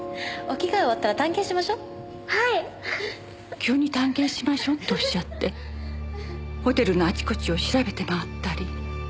急に「探検しましょう」っておっしゃってホテルのあちこちを調べて回ったり。